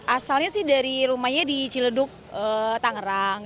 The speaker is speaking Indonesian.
asalnya sih dari rumahnya di ciledug tangerang